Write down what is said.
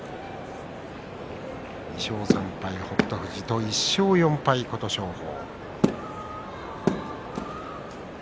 ２勝３敗の北勝富士と１勝４敗、琴勝峰。